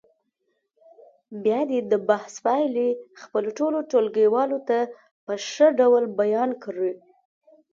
بیا دې د بحث پایلې خپلو ټولو ټولګیوالو ته په ښه ډول بیان کړي.